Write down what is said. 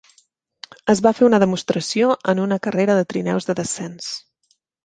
Es va fer una demostració en una carrera de trineus de descens.